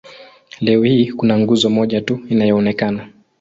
Leo hii kuna nguzo moja tu inayoonekana.